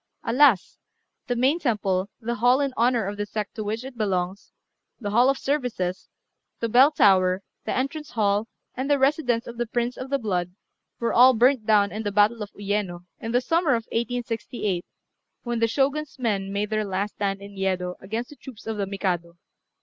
Alas! the main temple, the hall in honour of the sect to which it belongs, the hall of services, the bell tower, the entrance hall, and the residence of the prince of the blood, were all burnt down in the battle of Uyéno, in the summer of 1868, when the Shogun's men made their last stand in Yedo against the troops of the Mikado.